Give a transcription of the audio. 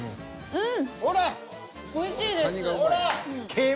うん。